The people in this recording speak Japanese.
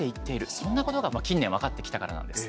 そんなことが近年分かってきたからなんです。